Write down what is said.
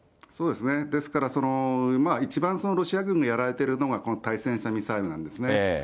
そうですね、ですから、一番ロシア軍がやられてるのがこの対戦車ミサイルなんですね。